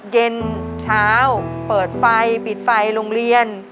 เย็นเช้าเปิดไฟปิดไฟโรงเรียน